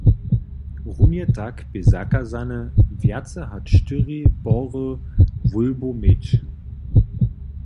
Runje tak bě zakazane, wjace hač štyri pory hołbjow měć.